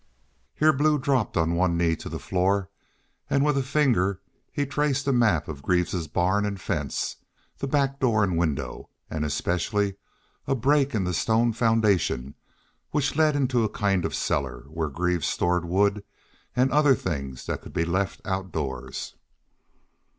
Here Blue dropped on one knee to the floor and with a finger he traced a map of Greaves's barn and fence, the back door and window, and especially a break in the stone foundation which led into a kind of cellar where Greaves stored wood and other things that could be left outdoors.